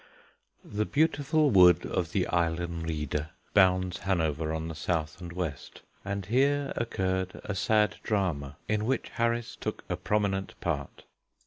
The beautiful wood of the Eilenriede bounds Hanover on the south and west, and here occurred a sad drama in which Harris took a prominent part.